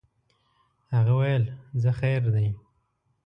هغه ویل ځه خیر دی.